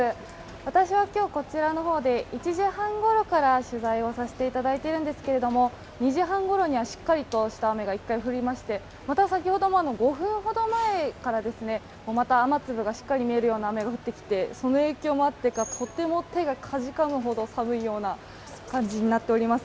私は今日こちらで１時半ごろから取材をさせていただいているんですが２時半ごろにはしっかりとした雨が１回降りましてまた先ほども５分ほど前からまた雨粒がしっかり見えるような雨が降ってきてその影響もあってかとても手がかじかむほど寒いような感じになっています。